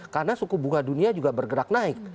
karena suku bunga dunia juga bergerak naik